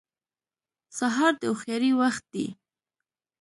سهار د هوښیارۍ وخت دی.